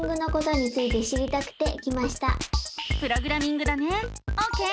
プログラミングだねオーケー！